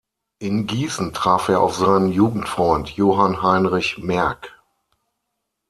In Gießen traf er auf seinen Jugendfreund Johann Heinrich Merck.